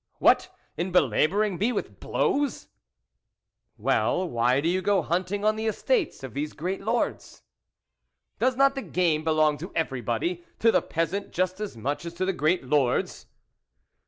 "What, in belabouring me with blows !"" Well, why do you go hunting on the estates of these great lords ?"" Does not the game belong to every body, to the peasant just as much as to the great lords